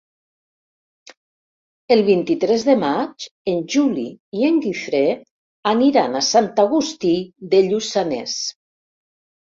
El vint-i-tres de maig en Juli i en Guifré aniran a Sant Agustí de Lluçanès.